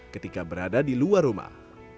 ketika berada di luar rumah